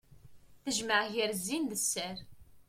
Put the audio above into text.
Tejmeɛ gar zzin d sser.